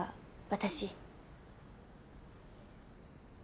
私。